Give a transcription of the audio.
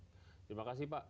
terima kasih pak